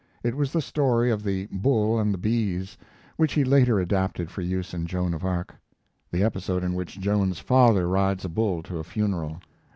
It was the story of the 'Bull and the Bees' which he later adapted for use in Joan of Arc, the episode in which Joan's father rides a bull to a funeral.